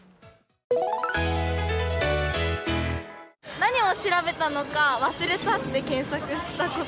何を調べたのか忘れたって、検索したこと。